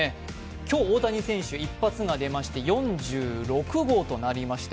今日、大谷選手、１発目が出まして４６号となりました。